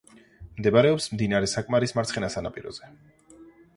მდებარეობს მდინარე საკმარის მარცხენა სანაპიროზე.